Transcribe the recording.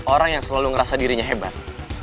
orang yang selalu ngerasa dirinya hebat